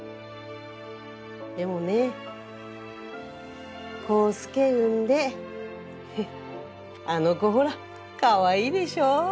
でもね康介産んであの子ほらかわいいでしょ。